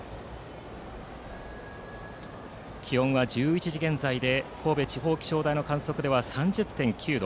気温は１１時現在で神戸地方気象台の観測では３０．９度。